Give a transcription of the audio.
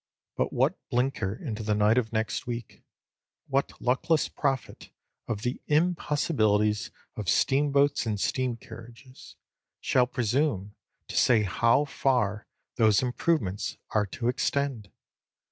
But what blinker into the night of next week, what luckless prophet of the impossibilities of steam boats and steam carriages, shall presume to say how far those improvements are to extend?